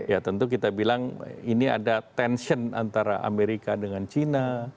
ya tentu kita bilang ini ada tension antara amerika dengan china